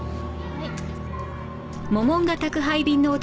はい。